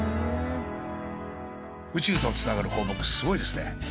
宇宙とつながる放牧すごいですね。